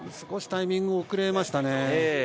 タイミング遅れましたね。